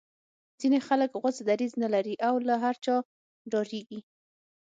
ځینې خلک غوڅ دریځ نه لري او له هر چا ډاریږي